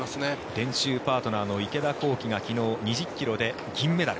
練習パートナーの池田向希が昨日２０ｋｍで銀メダル。